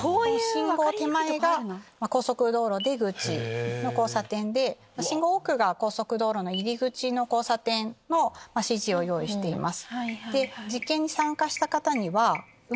信号手前が高速道路出口の交差点で信号奥が高速道路の入り口の交差点のＣＧを用意しています。